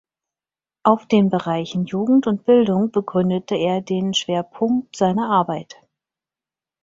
Auf den Bereichen Jugend und Bildung begründete er den Schwerpunkt seiner Arbeit.